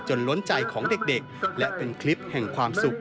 ล้นใจของเด็กและเป็นคลิปแห่งความสุข